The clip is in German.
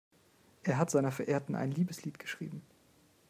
Er hat seiner Verehrten ein Liebeslied geschrieben.